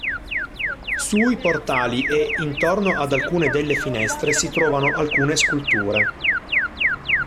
Sui portali e intorno ad alcune delle finestre si trovano alcune sculture.